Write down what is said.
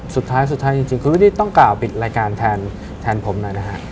สุดท้ายจริงคุณวิดี้ต้องกล่าวปิดรายการแทนผมนะครับ